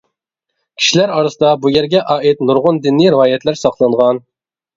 كىشىلەر ئارىسىدا بۇ يەرگە ئائىت نۇرغۇن دىنىي رىۋايەتلەر ساقلانغان.